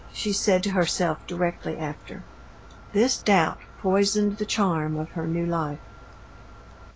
she said to herself directly after. This doubt poisoned the charm of her new life.